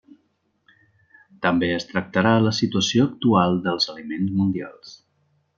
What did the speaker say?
També es tractarà la situació actual dels aliments mundials.